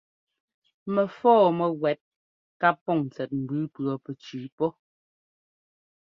Mɛfɔ́ɔ mɛwɛ́t ká pɔŋ tsɛt mbʉʉ pʉɔpɛtsʉʉ pɔ́.